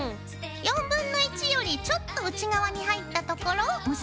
４分の１よりちょっと内側に入ったところを結びます。